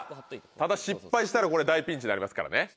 ただ失敗したらこれ大ピンチになりますからね。